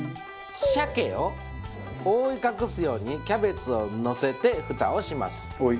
鮭を覆い隠すようにキャベツをのせてふたをします。